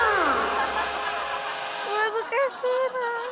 難しいなあ。